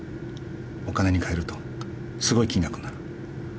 お金に替えるとすごい金額になる。